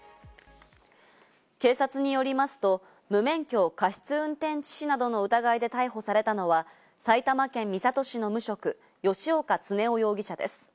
警察によりますと無免許過失運転致死などの疑いで逮捕されたのは、埼玉県三郷市の無職・吉岡恒夫容疑者です。